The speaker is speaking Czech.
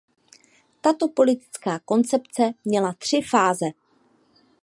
Tato politická koncepce měla tři fáze.